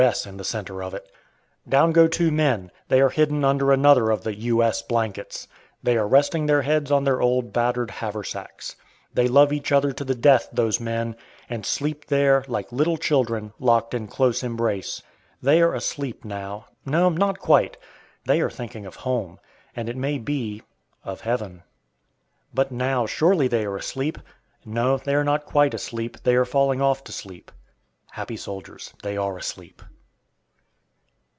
S." in the centre of it. Down go two men. They are hidden under another of the "U.S." blankets. They are resting their heads on their old battered haversacks. They love each other to the death, those men, and sleep there, like little children, locked in close embrace. They are asleep now, no, not quite; they are thinking of home, and it may be, of heaven. But now, surely they are asleep! No, they are not quite asleep, they are falling off to sleep. Happy soldiers, they are asleep.